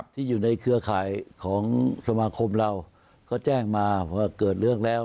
ที่อยู่ในเครือข่ายของสมาคมเราก็แจ้งมาว่าเกิดเรื่องแล้ว